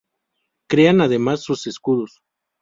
Crean además sus escudos.